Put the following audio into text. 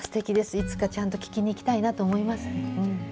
いつかちゃんと聞きに行きたいなと思います。